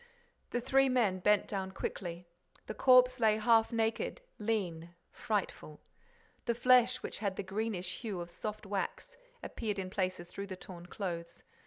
The three men bent down quickly. The corpse lay half naked, lean, frightful. The flesh, which had the greenish hue of soft wax, appeared in places through the torn clothes.